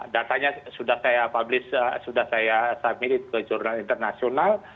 datanya sudah saya publish sudah saya submit ke jurnal internasional